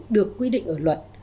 được quy định ở luật